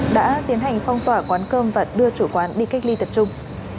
đã tiến hành phong tỏa quán cơm và đưa chủ quán đi cách ly tập trung